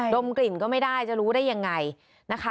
ดมกลิ่นก็ไม่ได้จะรู้ได้ยังไงนะคะ